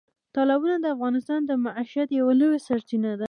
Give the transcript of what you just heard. تالابونه د افغانانو د معیشت یوه لویه سرچینه ده.